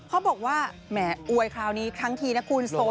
เขาบอกว่าแหมอวยคราวนี้ทั้งทีนะคุณ